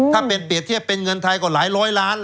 ถ้าเป็นเปรียบเทียบเป็นเงินไทยก็หลายร้อยล้าน